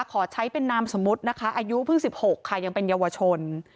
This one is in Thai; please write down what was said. ขอใช้เป็นนามสมมุตินะคะอายุเพิ่ง๑๖ค่ะยังเป็นเยาวชน